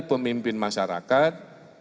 dari pemimpin masyarakat